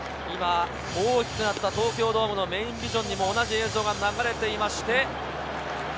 今、大きくなった東京ドームのメインビジョンにも同じ映像が流れています。